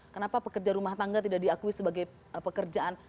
kenapa pekerja rumah tangga tidak diakui sebagai pekerjaan